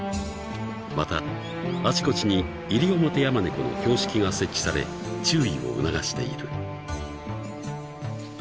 ［またあちこちにイリオモテヤマネコの標識が設置され注意を促している］